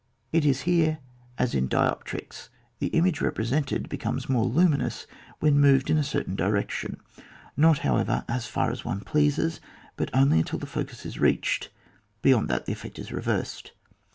It is here as in dioptrics, the image represented becomes more luminous when moved in a certain direction, not, how ever, as far as one pleases, but only until the focus is reached, beyond that the effect is reversed.